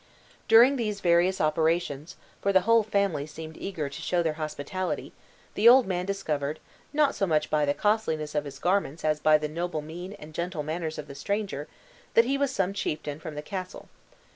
During these various operations for the whole family seemed eager to show their hospitality the old man discovered, not so much by the costliness of his garments as by the noble mien and gentle manners of the stranger, that he was some chieftain from the castle.